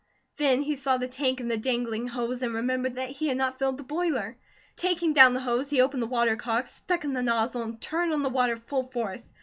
Then he saw the tank and the dangling hose, and remembered that he had not filled the boiler. Taking down the hose, he opened the watercock, stuck in the nozzle, and turned on the water full force.